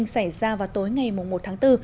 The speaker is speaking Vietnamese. xảy ra vào tối ngày một tháng bốn